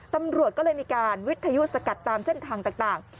ตำรวจก็เลยมีการวิทยุสกัดตามเส้นทางต่าง